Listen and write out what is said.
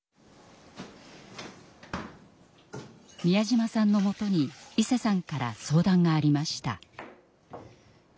美谷島さんのもとにいせさんから相談がありました。